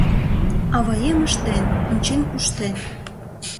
Аваем ыштен, ончен-куштен